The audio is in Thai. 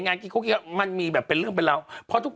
งานกินข้าวกินข้าวมันมีแบบเป็นเรื่องเป็นเราเพราะทุก